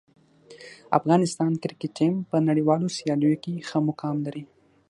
افغانستان کرکټ ټیم په نړیوالو سیالیو کې ښه مقام لري.